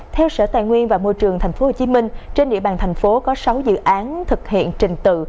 theo sở tài nguyên và môi trường tp hcm trên địa bàn thành phố có sáu dự án thực hiện trình tự